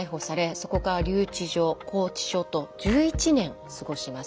そこから留置場拘置所と１１年過ごします。